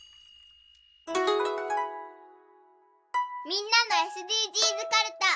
みんなのＳＤＧｓかるた。